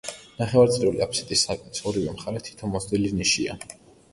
ნახევარწრიული აფსიდის სარკმლის ორივე მხარეს თითო მოზრდილი ნიშია.